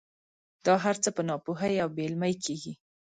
دا هر څه په ناپوهۍ او بې علمۍ کېږي.